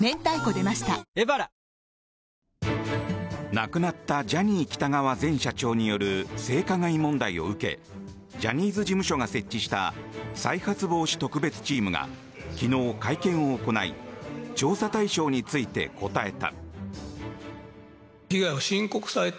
亡くなったジャニー喜多川前社長による性加害問題を受けジャニーズ事務所が設置した再発防止特別チームが昨日、会見を行い調査対象について答えた。